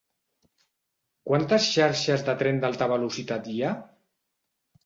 Quantes xarxes de tren d'alta velocitat hi ha?